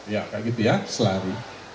ya kayak gitu ya selari